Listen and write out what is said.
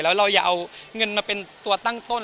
แล้วเราอย่าเอาเงินมาเป็นตัวตั้งต้น